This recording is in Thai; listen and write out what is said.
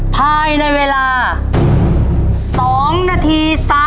ภายในเวลา๒นาที